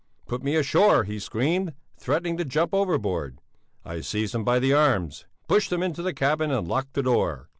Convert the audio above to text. Put me ashore! he screamed, threatening to jump overboard. I seized him by the arms, pushed him into the cabin and locked the door.